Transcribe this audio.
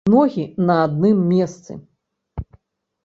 Ногі на адным месцы.